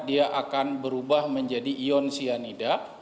dia akan berubah menjadi ion cyanida